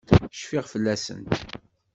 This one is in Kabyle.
Cfiɣ fell-asent.